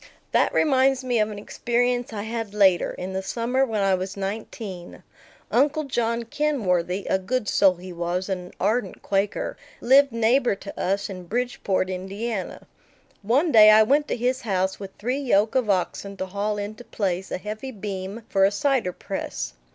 That reminds me of an experience I had later, in the summer when I was nineteen. Uncle John Kinworthy a good soul he was, and an ardent Quaker lived neighbor to us in Bridgeport, Indiana. One day I went to his house with three yoke of oxen to haul into place a heavy beam for a cider press.